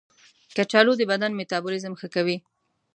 کچالو د بدن میتابولیزم ښه کوي.